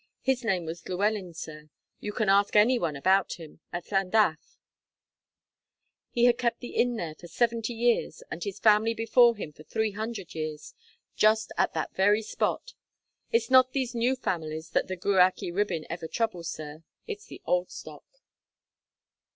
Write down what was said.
His name was Llewellyn, sir you can ask any one about him, at Llandaff he had kept the inn there for seventy years, and his family before him for three hundred years, just at that very spot. It's not these new families that the Gwrach y Rhibyn ever troubles, sir, it's the old stock.'